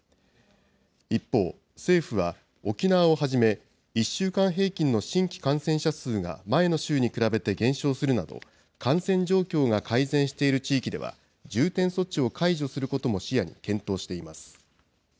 一方、政府は沖縄をはじめ、１週間平均の新規感染者数が前の週に比べて減少するなど、感染状況が改善している地域では、重点措置を解除することも視野に検討しています。